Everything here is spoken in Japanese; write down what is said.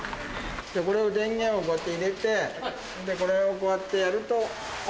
これを電源をこうやって入れて、これをこうやってやると。